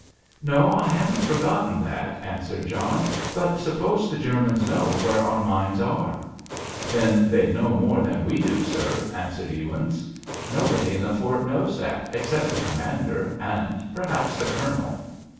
"No, I haven't forgotten that," answered John; "but suppose the Germans know where our mines are?" "Then they'd know more than we do, sir," answered Ewins. "Nobody in the fort knows that, except the Commander, and perhaps the Colonel."